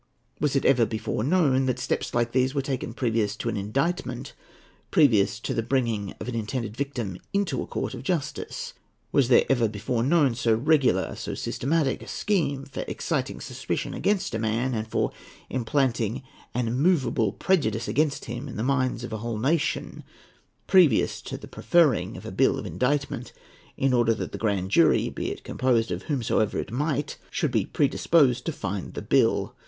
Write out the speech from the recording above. Was it ever before known, that steps like these were taken previous to an indictment,—previous to the bringing of an intended victim into a court of justice? Was there ever before known so regular, so systematic a scheme for exciting suspicion against a man, and for implanting an immovable prejudice against him in the minds of a whole nation, previous to the preferring a Bill of Indictment, in order that the grand jury, be it composed of whomsoever it might, should be predisposed to find the bill?